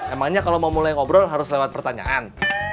emangnya kalau mau mulai ngobrol harus lewat pertanyaan